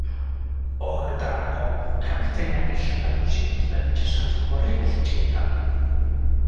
Horretarako, kapitainak izendatu zituzten itsasaldeko herri guztietan.